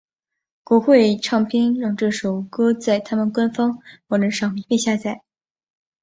国会唱片让这首歌在他们官方网站上免费下载。